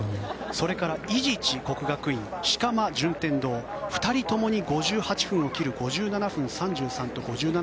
それから伊地知、國學院四釜、順天堂２人ともに５８分を切る５７分３３と５７分４５。